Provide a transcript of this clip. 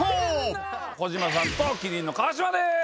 今夜は児嶋さんと麒麟の川島です。